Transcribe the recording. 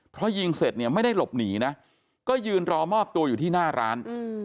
เพราะยิงเสร็จเนี่ยไม่ได้หลบหนีนะก็ยืนรอมอบตัวอยู่ที่หน้าร้าน